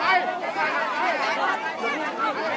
หลอยหลอยหลอยหลอยหลอยหลอยหลอยหลอยหลอย